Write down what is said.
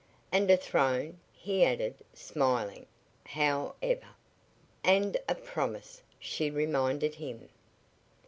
"And a throne," he added, smiling, how ever. "And a promise," she reminded him.